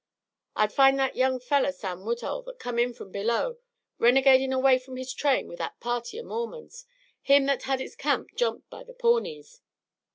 "I'd find that young feller Sam Woodhull that come in from below, renegadin' away from his train with that party o' Mormons him that had his camp jumped by the Pawnees.